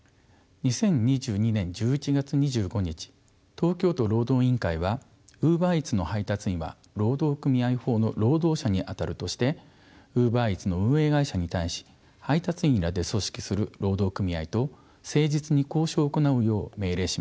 ２０２２年１１月２５日東京都労働委員会はウーバーイーツの配達員は労働組合法の労働者にあたるとしてウーバーイーツの運営会社に対し配達員らで組織する労働組合と誠実に交渉を行うよう命令しました。